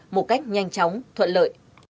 một cách nhanh chóng thuận lợi